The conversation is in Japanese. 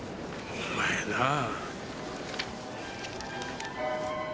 お前なあ。